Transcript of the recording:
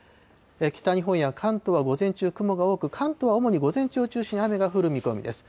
北日本や関東は午前中雲が多く、関東は主に午前中を中心に雨が降る見込みです。